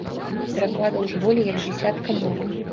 Перакладаў з болей як дзясятка моваў.